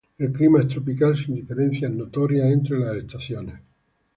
El clima es tropical, sin diferencias notorias entre las estaciones.